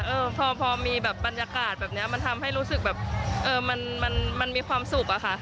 เออพอมีแบบบรรยากาศแบบนี้มันทำให้รู้สึกแบบเออมันมันมีความสุขอะค่ะ